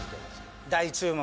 大注目